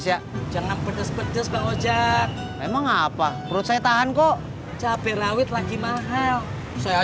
sampai jumpa di video selanjutnya